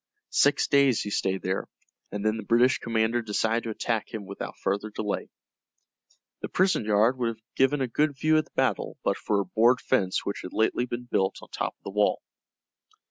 Six days he stayed there, and then the British commander decided to attack him without further delay. The prison yard would have given a good view of the battle but for a board fence which had lately been built on top of the wall.